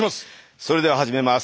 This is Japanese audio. それでは始めます。